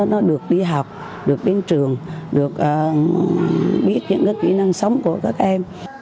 nó được đi học được đến trường được biết những cái kỹ năng sống của các em